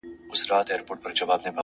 د انسانانو جهالت له موجه. اوج ته تللی.